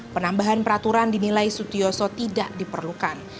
penambahan peraturan dinilai sutioso tidak diperlukan